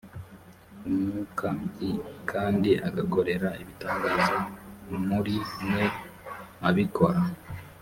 umwuka l kandi agakorera ibitangaza m muri mwe abikora